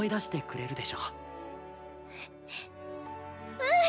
うん！